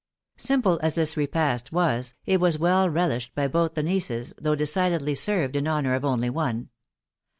Simple as this repast was, it was well relished by both the nieces, though decidedly served in honour of only one.